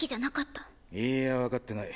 いいや分かってない。